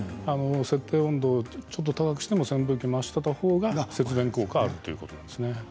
設定温度をちょっと高くしても扇風機を回していたほうが節電効果があるということです。